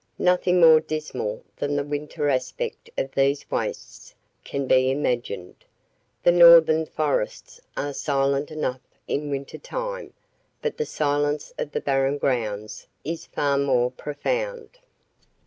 Nothing more dismal than the winter aspect of these wastes can be imagined. The Northern forests are silent enough in winter time, but the silence of the Barren Grounds is far more profound.